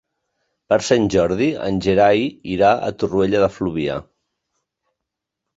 Per Sant Jordi en Gerai irà a Torroella de Fluvià.